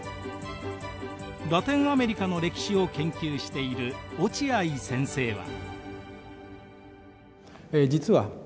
ラテンアメリカの歴史を研究している落合先生は。